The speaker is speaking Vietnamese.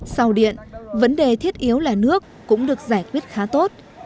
sau điện vấn đề thiết yếu là nước cũng được giải quyết khá tốt